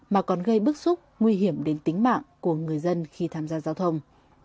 mà còn gây bức xúc nguy hiểm đến tính mạng của người dân khi tham gia giao thông